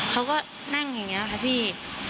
เขาก็นั่งอย่างนี้แหละครับพี่